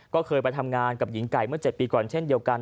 ก็เคยไปทำงานกับหญิงไก่เมื่อ๗ปีก่อนเช่นเดียวกัน